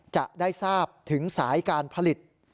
จะได้ทราบถึงสายการผลิต